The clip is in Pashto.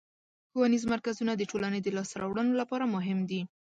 ښوونیز مرکزونه د ټولنې د لاسته راوړنو لپاره مهم دي.